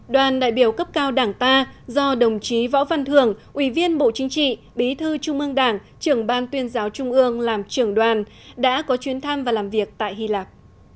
đoàn đại biểu cấp cao đảng ta do đồng chí võ văn thường ủy viên bộ chính trị bí thư trung ương đảng trưởng ban tuyên giáo trung ương làm trưởng đoàn đã có chuyến thăm và làm việc tại hy lạp